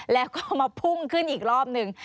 แล้วก็มาพุ่งขึ้นอีกรอบหนึ่ง